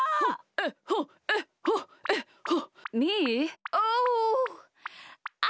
えっほえっほえっほ。